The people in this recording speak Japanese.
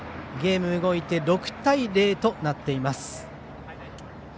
ゲームが動いて６対０となっています。